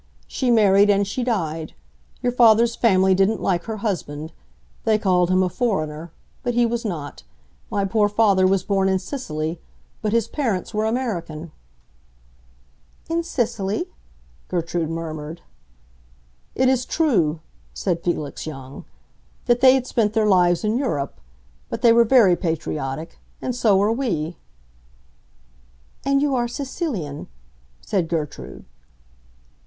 "She married and she died. Your father's family didn't like her husband. They called him a foreigner; but he was not. My poor father was born in Sicily, but his parents were American." "In Sicily?" Gertrude murmured. "It is true," said Felix Young, "that they had spent their lives in Europe. But they were very patriotic. And so are we." "And you are Sicilian," said Gertrude.